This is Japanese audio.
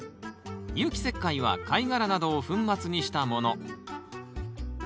有機石灰は貝殻などを粉末にしたもの。